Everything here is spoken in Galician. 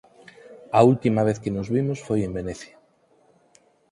A última vez que nos vimos foi en Venecia.